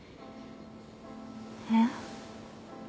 えっ？